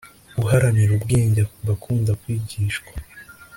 uharanira ubwenge aba akunda kwigishwa